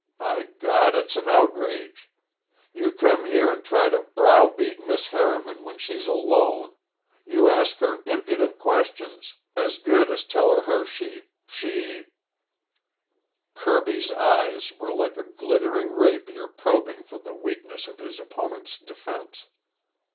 By God, it's an outrage. You come here and try to browbeat Miss Harriman when she's alone. You ask her impudent questions, as good as tell her she she " Kirby's eyes were like a glittering rapier probing for the weakness of his opponent's defense.